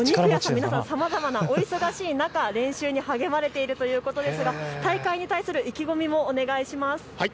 皆さん、さまざまなお忙しい中、練習に励まれているということですが大会に対する意気込みをお願いします。